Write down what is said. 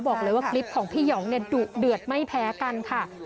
บอกเลยว่าคลิปของพี่หองเนี่ยดุเดือดไม่แพ้กันค่ะ